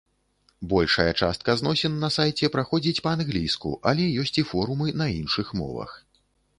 Большая частка зносін на сайце праходзіць па-англійску, але ёсць і форумы на іншых мовах.